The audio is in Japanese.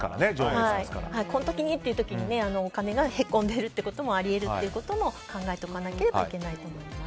この時にという時にお金がへこんでいるということがあり得るということも考えておかないといけないと思います。